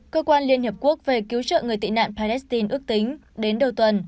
cơ quan liên hợp quốc về cứu trợ người tị nạn palestine ước tính đến đầu tuần